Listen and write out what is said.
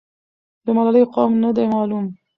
د ملالۍ قوم نه دی معلوم.